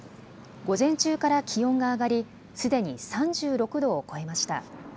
午前中から気温が上がりすでに３６度を超えました。